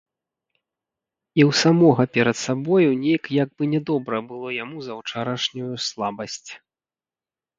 І ў самога перад сабою нейк як бы нядобра было яму за ўчарашнюю слабасць.